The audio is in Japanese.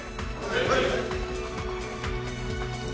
はい！